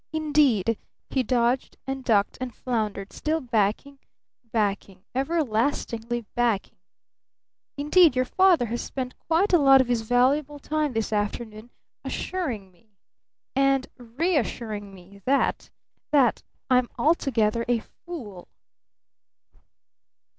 "Indeed " he dodged and ducked and floundered, still backing, backing, everlastingly backing "indeed, your father has spent quite a lot of his valuable time this afternoon assuring me and reassuring me that that I'm altogether a fool!"